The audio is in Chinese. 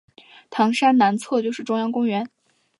糖山南侧就是中央公园。